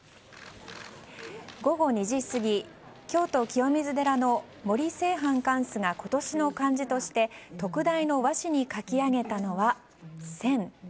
午後２時過ぎ京都・清水寺の森清範貫主が今年の漢字として特大の和紙に書き上げたのは「戦」。